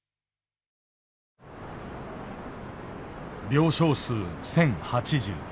病床数１，０８０。